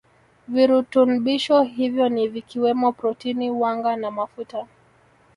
Virutunbisho hivyo ni vikiwemo protini wanga na mafuta